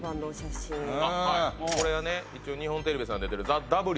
これは日本テレビさんでやってる『ＴＨＥＷ』。